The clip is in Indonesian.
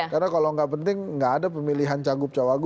karena kalau gak penting gak ada pemilihan cagub cawagub